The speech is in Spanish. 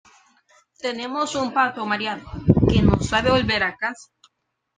tenemos un pato mareado que no sabe volver a casa